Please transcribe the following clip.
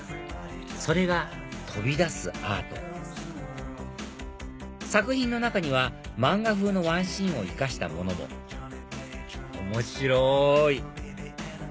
それが飛び出すアート作品の中には漫画風のワンシーンを生かしたものも面白い！